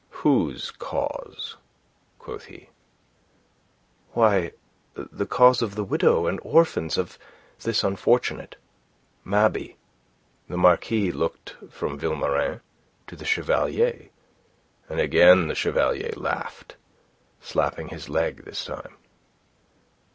"Whose cause?" quoth he. "Why, the cause of the widow and orphans of this unfortunate Mabey." The Marquis looked from Vilmorin to the Chevalier, and again the Chevalier laughed, slapping his leg this time.